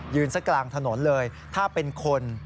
ยืนสักกลางถนนเลยถ้าเป็นคน